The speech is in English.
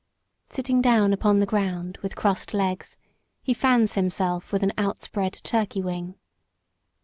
Sitting down upon the ground with crossed legs, he fans himself with an outspread turkey wing.